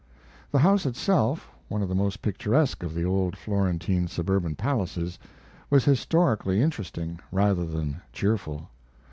The house itself, one of the most picturesque of the old Florentine suburban palaces, was historically interesting, rather than cheerful.